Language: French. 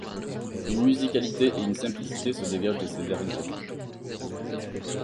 Une musicalité et une simplicité se dégagent de ses vers-libres.